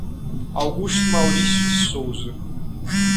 Augusto Mauricio de Souza